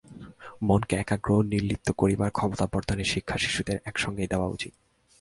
মনকে একাগ্র ও নির্লিপ্ত করিবার ক্ষমতাবর্ধনের শিক্ষা শিশুদের একসঙ্গেই দেওয়া উচিত।